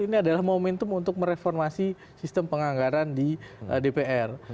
ini adalah momentum untuk mereformasi sistem penganggaran di dpr